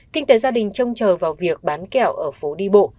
kinh tế gia đình trông chờ vào việc bán kẹo ở phố đi bộ